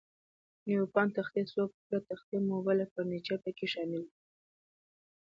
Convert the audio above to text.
د نیوپان تختې، څو پوړه تختې، موبل او فرنیچر پکې شامل دي.